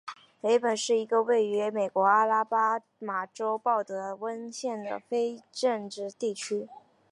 雷本是一个位于美国阿拉巴马州鲍德温县的非建制地区。